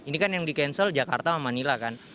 ini kan yang di cancel jakarta sama manila kan